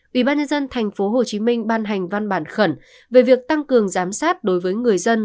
ủy ban nhân dân tp hcm ban hành văn bản khẩn về việc tăng cường giám sát đối với người dân